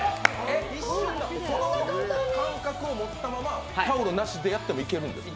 その感覚を持ったまま、タオルなしでやってもいけるんですか？